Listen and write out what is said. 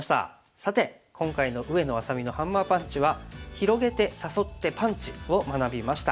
さて今回の上野愛咲美のハンマーパンチは「広げて誘ってパンチ！」を学びました。